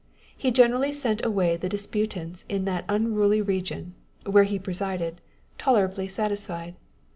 He generally sent away the disputants in that unruly region, where he presided, tolerably satisfied.